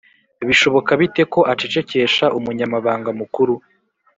bishoboka bite ko acecekesha umunyamabanga mukuru,